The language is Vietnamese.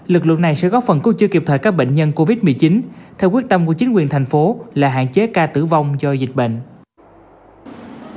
lực lượng này sẽ góp phần cứu chữa kịp thời các bệnh nhân covid một mươi chín theo quyết tâm của chính quyền thành phố là hạn chế ca tử vong do dịch bệnh